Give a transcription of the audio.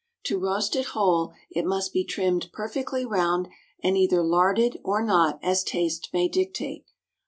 To roast it whole, it must be trimmed perfectly round, and either larded or not as taste may dictate.